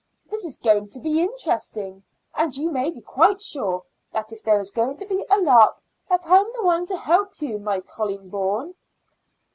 This is going to be interesting, and you may be quite sure that if there is going to be a lark that I'm the one to help you, my colleen bawn."